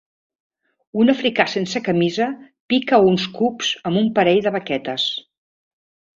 Un africà sense camisa pica a uns cubs amb un parell de baquetes.